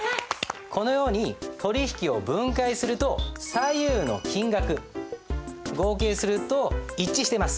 このように取引を分解すると左右の金額合計すると一致してます。